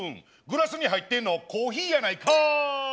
グラスにはいってんのコーヒーやないかい！